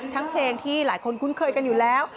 เพลงที่หลายคนคุ้นเคยกันอยู่แล้ว